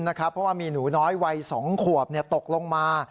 เพราะว่ามีหนูน้อยวัย๒ขวบตกลงมา